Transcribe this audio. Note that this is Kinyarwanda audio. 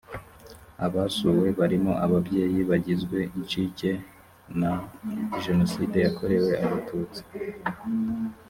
abasuwe barimo ababyeyi bagizwe incike na jenoside yakorewe abatutsi